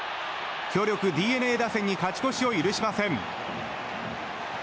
強力ＤｅＮＡ打線に勝ち越しを許しません。